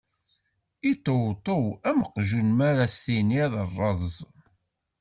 Iṭṭewṭew am uqjun mi ara s tiniḍ: ṛṛeẓ!